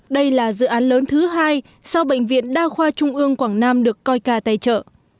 đây là dự án lớn thứ hai sau bệnh viện đa khoa trung ương quảng nam được coica tài trợ